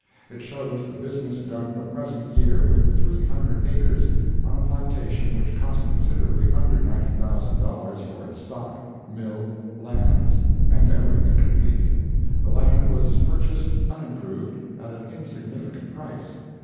It shows the business done the present year with three hundred acres, on a plantation which cost considerably under $90,000 for its stock, mill, lands and everything complete. The land was purchased unimproved, at an insignificant price.